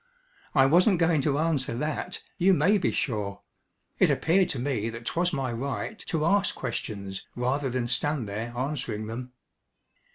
I wasn't going to answer that, you may be sure. It appeared to me that 'twas my right to ask questions rather than stand there answering them.